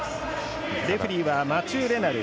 レフリーはマチュー・レナル。